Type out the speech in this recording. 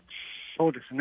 そうですね。